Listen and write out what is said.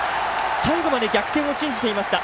最後まで逆転を信じていました。